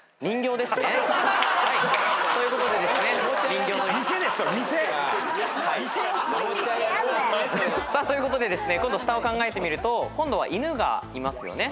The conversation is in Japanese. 人形ですね。ということでですね今度下を考えてみると今度は犬がいますよね。